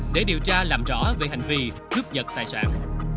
để điều tra làm rõ về hành vi cướp giật tài sản